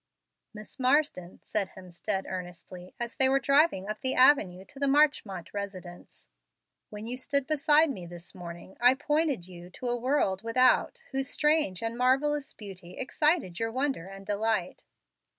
"Miss Marsden," said Hemstead, earnestly, as they were driving up the avenue to the Marchmont residence, "when you stood beside me this morning I pointed you to a world without, whose strange and marvellous beauty excited your wonder and delight.